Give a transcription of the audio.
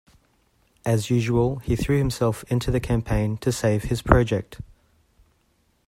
As usual he threw himself into the campaign to save his project.